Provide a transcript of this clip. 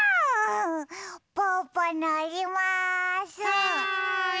はい！